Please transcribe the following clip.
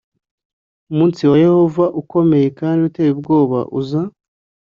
umunsi wa Yehova ukomeye kandi uteye ubwoba uza